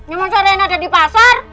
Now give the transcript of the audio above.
emang caranya ada di pasar